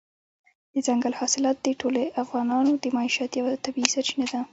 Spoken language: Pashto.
دځنګل حاصلات د ټولو افغانانو د معیشت یوه طبیعي سرچینه ده.